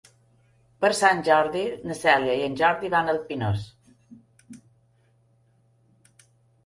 Per Sant Jordi na Cèlia i en Jordi van al Pinós.